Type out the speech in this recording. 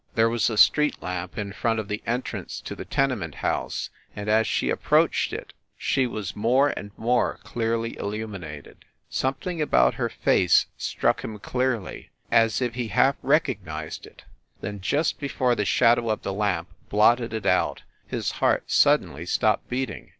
There was a street lamp in front of the entrance to the tenement house, and as she approached it she was more and more clearly illu minated. Something about her face struck him clearly as if he half recognized it then, just be fore the shadow of the lamp blotted it out, his heart suddenly stopped beating.